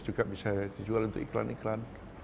juga bisa dijual untuk iklan iklan